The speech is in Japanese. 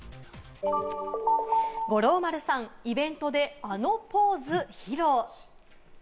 五郎丸さん、イベントであのポーズ披露。